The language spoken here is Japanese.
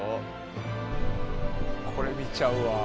これ見ちゃうわ。